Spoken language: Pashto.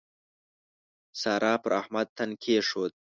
سارا پر احمد تن کېښود.